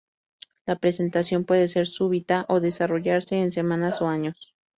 La presentación puede ser súbita o desarrollarse en semanas o años.